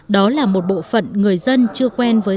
đó là một bộ phận người dân chưa quen với